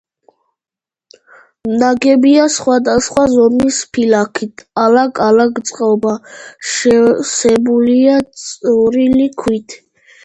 ნაგებია სხვადასხვა ზომის ფიქალით, ალაგ-ალაგ წყობა შევსებულია წვრილი ქვით.